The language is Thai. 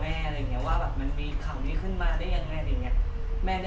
แม่อะไรอย่างนี้ว่ามันมีข่าวนี้ขึ้นมาได้ยังไง